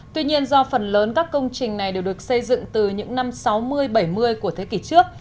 tuy nhiên do phần lớn các công trình này đều được xây dựng từ những năm sáu mươi bảy mươi của thế kỷ trước